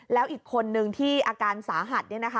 แล้วอีกคนนึงที่อาการสาหัสนี่นะคะ